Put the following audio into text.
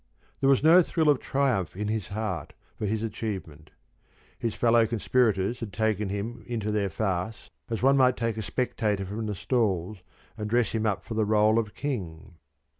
There was no thrill of triumph in his heart for his achievement. His fellow conspirators had taken him into their farce as one might take a spectator from the stalls and dress him up for the role of King.